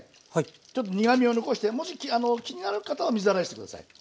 ちょっと苦みを残してもし気になる方は水洗いして下さい。